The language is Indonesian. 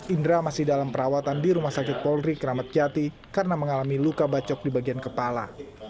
indra masih dalam perawatan di rumah sakit polri kramat jati karena mengalami luka bacok di bagian kepala